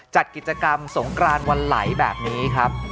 จัดกิจกรรมสงกรานวันไหลแบบนี้ครับ